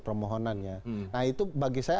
permohonannya nah itu bagi saya